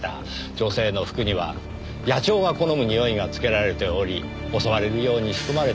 女性の服には野鳥が好むにおいがつけられており襲われるように仕組まれていました。